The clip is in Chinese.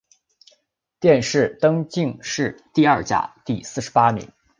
殿试登进士第二甲第四十八名。